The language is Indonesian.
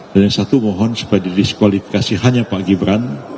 dan yang satu mohon supaya didiskualifikasi hanya pak gibran